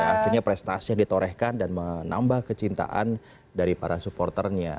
akhirnya prestasi yang ditorehkan dan menambah kecintaan dari para supporternya